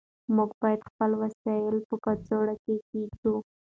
موږ باید خپل وسایل په کڅوړه کې کېږدو.